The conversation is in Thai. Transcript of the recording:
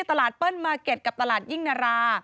ตลาดเปิ้ลมาร์เก็ตกับตลาดยิ่งนารา